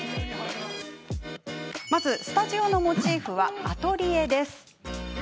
スタジオのモチーフはアトリエです。